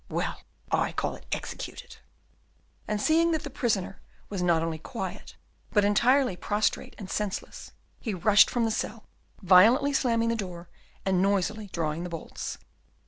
well, I call it executed." And seeing that the prisoner was not only quiet, but entirely prostrate and senseless, he rushed from the cell, violently slamming the door, and noisily drawing the bolts.